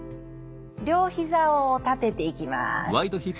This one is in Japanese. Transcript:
両ひざを立てていきます。